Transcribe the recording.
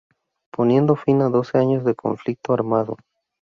Poniendo fin a doce años de conflicto armado.